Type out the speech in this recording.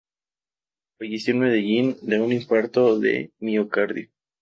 Falleció en Medellín, de un infarto de miocardio.